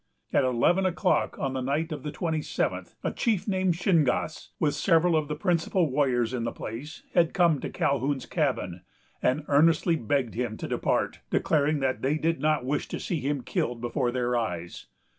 At eleven o'clock on the night of the twenty seventh, a chief named Shingas, with several of the principal warriors in the place, had come to Calhoun's cabin, and earnestly begged him to depart, declaring that they did not wish to see him killed before their eyes.